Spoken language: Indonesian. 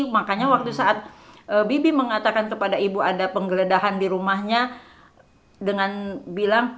makanya waktu saat bibi mengatakan kepada ibu ada penggeledahan di rumahnya dengan bilang